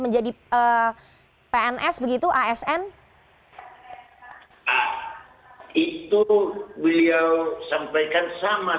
jadi tidak ada masalah